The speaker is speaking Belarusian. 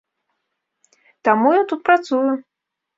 Таму я тут працую!